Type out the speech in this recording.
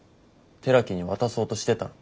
寺木に渡そうとしてたろ。